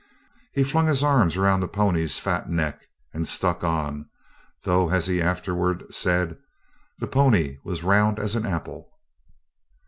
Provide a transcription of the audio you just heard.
He flung his arms around the pony's fat neck, and stuck on, though as he afterward said: "That pony was as round as an apple."